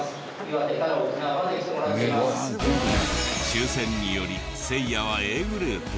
抽選によりせいやはＡグループ。